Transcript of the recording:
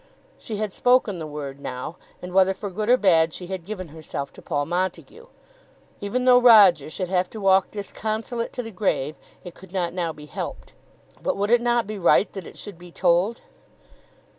She had spoken the word now, and, whether for good or bad, she had given herself to Paul Montague. Even though Roger should have to walk disconsolate to the grave, it could not now be helped. But would it not be right that it should be told?